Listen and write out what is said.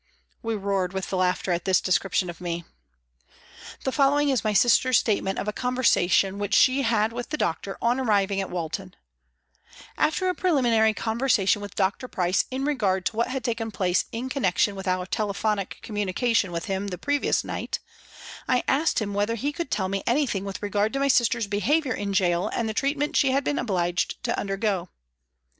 We roared with laughter at this description of me. The following is my sister's statement of a conver sation which she had with the doctor on arriving at Walton :" After a preliminary conversation with Dr. Price in regard to what had taken place in con nection with our telephonic communication with 298 PRISONS AND PRISONERS him the previous night, I asked him whether he could tell me anything with regard to my sister's behaviour hi gaol and the treatment she had been obliged to undergo.